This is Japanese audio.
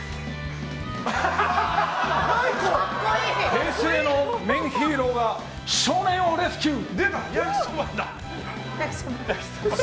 平成のヒーローが少年をレスキュー！